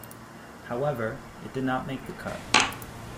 However, it did not make the cut.